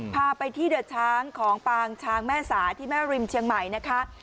พาไปที่เดือดช้างของปางช้างแม่สาที่แม่ริมเชียงใหม่นะคะ